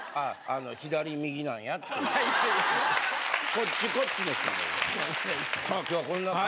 こっちこっちの。